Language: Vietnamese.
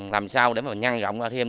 làm sao để mà nhăn rộng ra thêm